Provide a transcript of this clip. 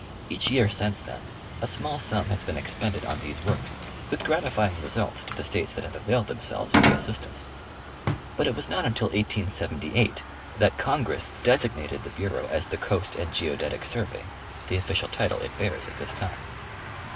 Each year since then, a small sum has been expended on these works with gratifying results to the States that have availed themselves of the assist ance. But it was not until 1878 that Congress designated the Bureau as the " Coast and Geodetic Survey," the official title it bears at this time.